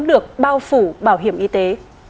được bao phủ bảo hiểm y tế